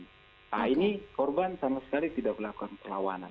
nah ini korban sama sekali tidak melakukan perlawanan